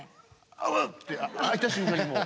あうって開いた瞬間にもう。